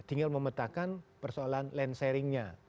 tinggal memetakan persoalan land sharingnya